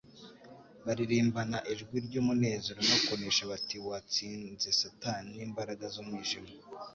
baririmbana ijwi ry'umunezero no kunesha bati : Watsinze Satani n'imbaraga z'umwijima,